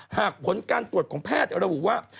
หากผลการตรวจของแพทย์ระบุว่า